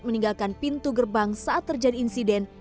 meninggalkan pintu gerbang saat terjadi insiden